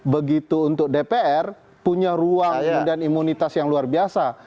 begitu untuk dpr punya ruang dan imunitas yang luar biasa